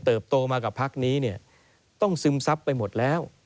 โตมากับพักนี้เนี่ยต้องซึมซับไปหมดแล้ว